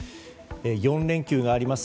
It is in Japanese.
４連休があります。